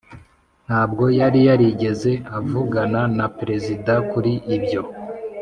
] ntabwo yari yarigeze avugana na perezida kuri ibyo.